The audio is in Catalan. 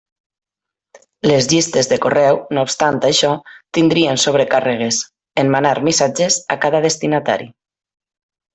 Les llistes de correu no obstant això tindrien sobrecàrregues, en manar missatges a cada destinatari.